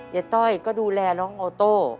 ต้อยก็ดูแลน้องโอโต้